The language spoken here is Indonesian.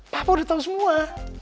papa udah tau semua